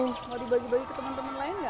mau dibagi bagi ke teman teman lain nggak